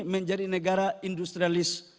menjadi negara industrialis